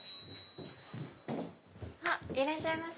いらっしゃいませ。